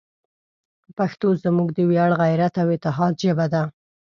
پښتو زموږ د ویاړ، غیرت، او اتحاد ژبه ده.